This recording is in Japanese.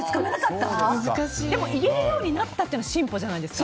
でも言えるようになったって進歩じゃないですか。